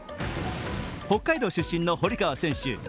北海道出身の堀川選手